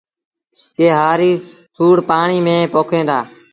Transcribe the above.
ڪي هآريٚ سُوڙ پآڻيٚ ميݩ پوکيݩ دآ